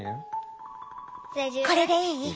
これでいい？